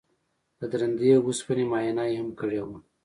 د درندې وسپنې معاینه یې هم کړې وه